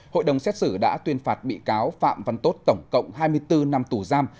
hội đồng xét xử đã tuyên phạt bị cáo phạm văn tốt tổng cộng hai mươi bốn năm tù giam